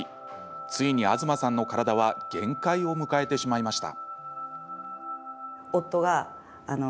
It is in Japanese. ついに、東さんの体は限界を迎えてしまいました。